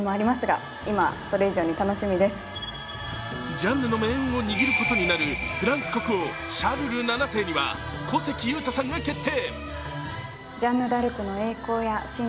ジャンヌの命運を握ることになるフランス国王・シャルル７世には小関裕太さんが決定。